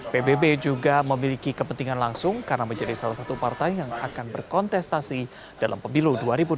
pbb juga memiliki kepentingan langsung karena menjadi salah satu partai yang akan berkontestasi dalam pemilu dua ribu dua puluh